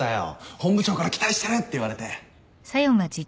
本部長から「期待してる」って言われて。